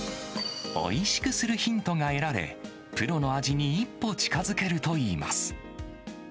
おいしくするヒントが得られ、プロの味に一歩近づけるといいます。